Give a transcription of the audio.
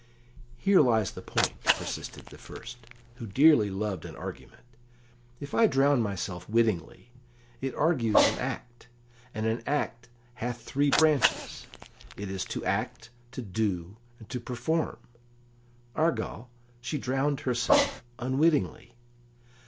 "Here lies the point," persisted the first, who dearly loved an argument. "If I drown myself wittingly, it argues an act, and an act hath three branches it is to act, to do, and to perform; argal, she drowned herself unwittingly."